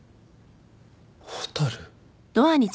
蛍？